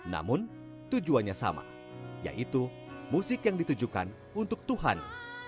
namun tujuannya sama yaitu musik yang ditujukan untuk tuhan